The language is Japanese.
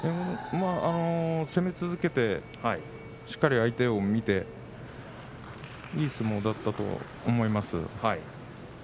攻め続けてしっかりと相手を見ていい相撲だったと思います。